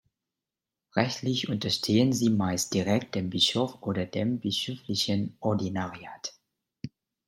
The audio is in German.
Rechtlich unterstehen sie meist direkt dem Bischof oder dem Bischöflichen Ordinariat.